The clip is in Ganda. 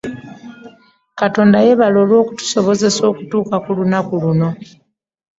Katonda yebale olwokutusobozesa okutuka ku lunaku luno.